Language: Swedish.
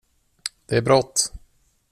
Det är brått!